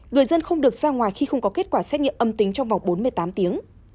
người dân không được ra ngoài khi không có kết quả xét nghiệm âm tính trong vòng bốn mươi tám tiếng